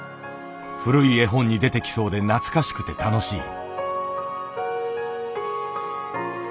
古い絵本に出てきそうで懐かしくて楽しい。